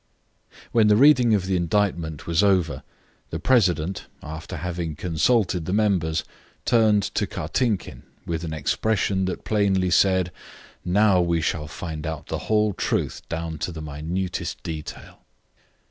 When the reading of the indictment was over, the president, after having consulted the members, turned to Kartinkin, with an expression that plainly said: Now we shall find out the whole truth down to the minutest detail.